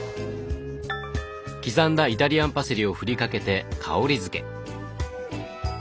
刻んだイタリアンパセリを振りかけて香りづけ。